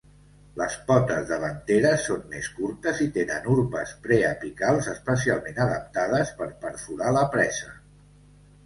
Les potes davanteres són més curtes i tenen urpes preapicals especialment adaptades per perforar la presa.